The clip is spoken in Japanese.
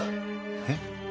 えっ？